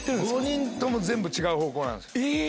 ５人とも全部違う方向なんですよ。